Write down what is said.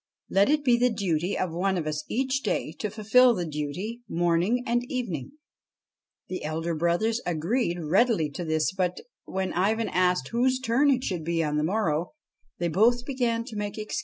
Let it be the duty of one of us each day to fulfil the duty, morning and evening.' The elder brothers agreed readily to this, but, when Ivan asked whose turn it should be on the morrow, they both began to make excuses.